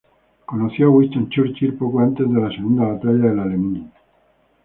Conoció a Winston Churchill poco antes de la Segunda Batalla de El Alamein.